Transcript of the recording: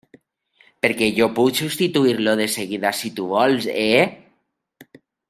Perquè jo puc substituir-lo de seguida si tu vols, eh?